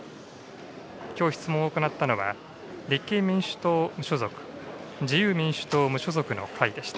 きょう質問を行ったのは、立憲民主党・無所属、自由民主党・無所属の会でした。